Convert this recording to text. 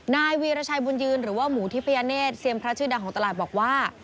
นายวีรชัยบุญยืนหรือว่าหมูทิพยาเนธเซียมพระชื่อดังของตลาดบอกว่า